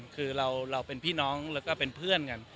คือเราเป็นพี่น้องแล้วก็เป็นเพื่อนกัน